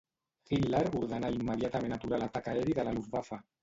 Hitler ordenà immediatament aturar l'atac aeri de la Luftwaffe.